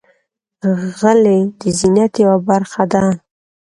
غلۍ د زینت یوه برخه ده.